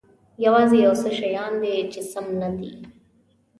یوازې یو څه شیان دي چې سم نه دي.